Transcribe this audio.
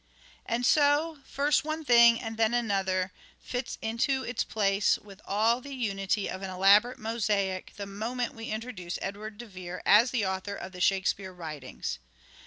And so, first one thing and then another fits into its place with all the unity of an elaborate mosaic the moment we introduce Edward de Vere as the author of the Shakespeare writings.